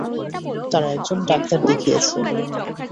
তারা এক জন ডাক্তার দেখিয়েছে।